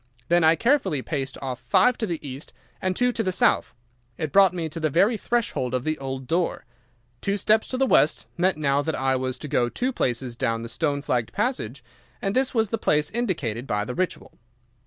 Then I carefully paced off five to the east and two to the south. It brought me to the very threshold of the old door. Two steps to the west meant now that I was to go two paces down the stone flagged passage, and this was the place indicated by the Ritual.